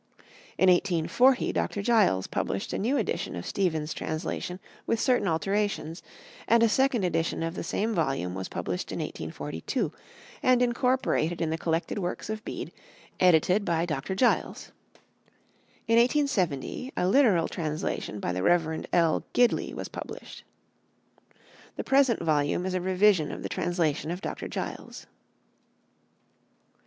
In 1840 Dr. Giles published a new edition of Stevens's translation with certain alterations; and a second edition of the same volume was published in 1842, and incorporated in the collected works of Bede, edited by Dr. Giles. In 1870 a literal translation by the Rev. L. Gidley was published. The present volume is a revision of the translation of Dr. Giles.